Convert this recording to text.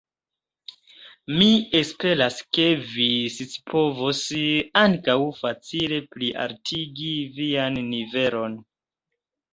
Mi esperas, ke vi scipovos ankaŭ facile plialtigi vian nivelon.